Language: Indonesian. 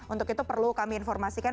untuk itu perlu kami informasikan